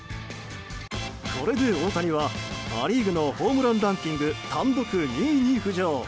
これで大谷は、ア・リーグのホームランランキング単独２位に浮上。